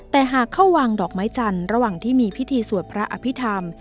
แต่หากเข้าวางดอกไม้จันทร์ระหว่างที่มีพิธีสวดพระอภิษฐรรม